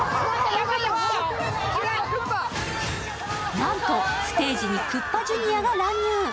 なんとステージにクッパジュニアが乱入。